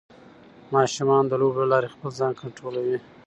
ماشومان د لوبو له لارې خپل ځان کنټرولوي.